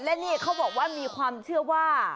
และนี่เขาบอกว่ามีความเชื่อว่า